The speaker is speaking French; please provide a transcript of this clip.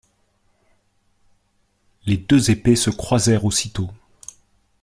Les deux épées se croisèrent aussitôt.